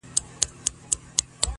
نه ، نه داسي نه ده،